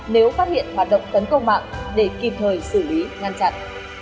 nếu phát hiện hoạt động tấn công mạng để kịp thời xử lý ngăn chặn